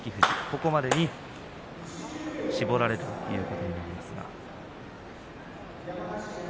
ここまでに絞られるということになります。